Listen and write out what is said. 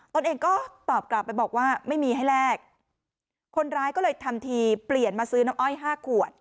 ตนเองก็ตอบกลับไปบอกว่าไม่มีให้แลกคนร้ายก็เลยทำทีเปลี่ยนมาซื้อน้ำอ้อยห้าขวด